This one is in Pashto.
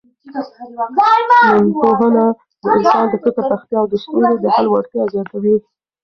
ننپوهنه د انسان د فکر پراختیا او د ستونزو د حل وړتیا زیاتوي.